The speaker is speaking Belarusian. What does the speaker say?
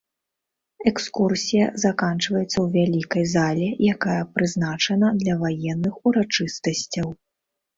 Экскурсія заканчваецца ў вялікай зале, якая прызначана для ваенных урачыстасцяў.